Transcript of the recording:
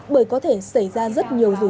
bởi có thể xảy ra rất nhiều rủi ro